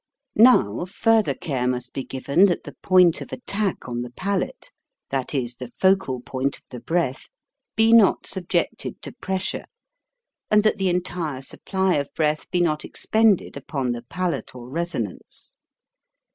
Now further care must be given that the point of attack on the palate that is, the focal point of the breath be not subjected to pressure, and that the entire supply of breath be not expended upon the palatal resonance.